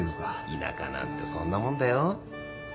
田舎なんてそんなもんだようん。